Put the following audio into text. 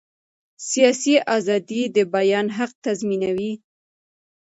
سیاسي ازادي د بیان حق تضمینوي